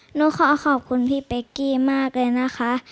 หนูขอขอบคุณพี่เป๊กกี้มากเลยนะคะ